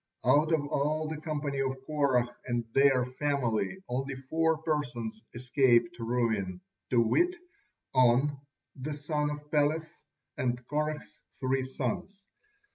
Out of all the company of Korah and their families only four persons escaped ruin, to wit: On, the son of Peleth, and Korah's three sons.